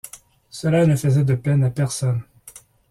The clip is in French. Cela ne faisait de peine à personne.